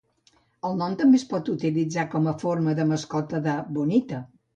El nom també es pot utilitzar com a forma de mascota de Bonita.